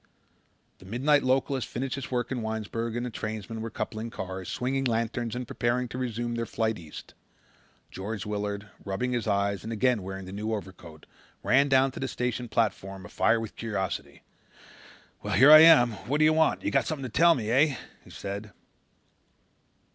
The midnight local had finished its work in Winesburg and the trainsmen were coupling cars, swinging lanterns and preparing to resume their flight east. George Willard, rubbing his eyes and again wearing the new overcoat, ran down to the station platform afire with curiosity. "Well, here I am. What do you want? You've got something to tell me, eh?" he said.